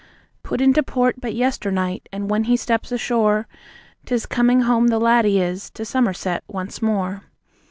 Put into port but yesternight, and when he steps ashore, 'Tis coming home the laddie is, to Somer set once more.